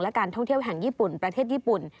และการท่องเที่ยวแห่งญี่ปุ่นประเทศญี่ปุ่น